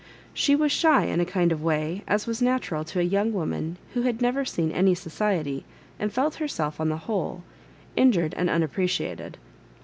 She wag shy in a kind of way, as was natural to a young woman who had never seen any society, and felt herself, on the whole, injured and unap preciated.